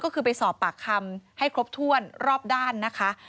ก็ไปครบถ้วนรอบด้านนะคะ